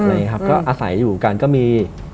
อาศัยอยู่กันก็มี